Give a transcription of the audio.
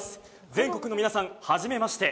全国の皆さん、初めまして。